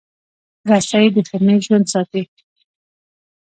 رسۍ د خېمې ژوند ساتي.